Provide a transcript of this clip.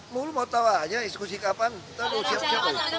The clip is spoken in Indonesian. mulu mau tau aja diskusi kapan